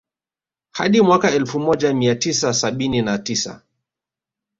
Hadi mwaka elfu moja mia tisa sabini na tisa